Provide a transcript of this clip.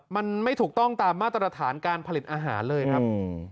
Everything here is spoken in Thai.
มันไม่ถูกต้องตามมาตรฐานการผลิตอาหารเลยครับ